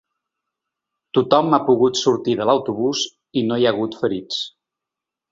Tothom ha pogut sortir de l’autobús i no hi ha hagut ferits.